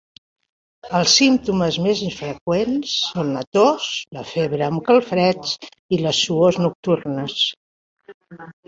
Els símptomes més freqüents són la tos, la febre amb calfreds i les suors nocturnes.